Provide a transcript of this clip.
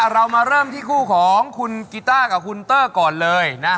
เรามาเริ่มที่คู่ของคุณกีต้ากับคุณเตอร์ก่อนเลย